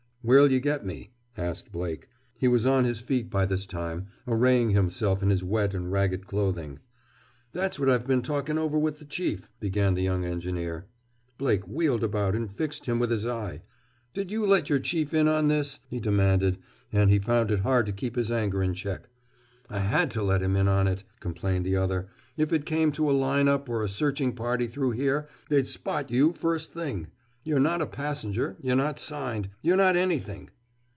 "Where'll you get me?" asked Blake. He was on his feet by this time, arraying himself in his wet and ragged clothing. "That's what I've been talking over with the Chief," began the young engineer. Blake wheeled about and fixed him with his eye. "Did you let your Chief in on this?" he demanded, and he found it hard to keep his anger in check. "I had to let him in on it," complained the other. "If it came to a line up or a searching party through here, they'd spot you first thing. You're not a passenger; you're not signed; you're not anything!"